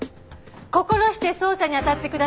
心して捜査に当たってください。